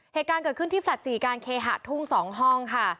เหตุการณ์เกิดขึ้นที่แฟลต์๔การเคหะทุ่ง๒ห้องค่ะ